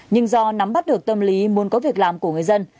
nhưng do nắm bắt được tâm lý muốn có việc làm của người dân